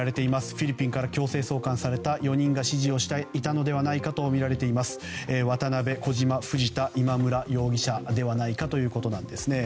フィリピンから強制送還された４人が指示をしていたのではないかとみられています渡邊、小島、藤田今村容疑者ではないかということです。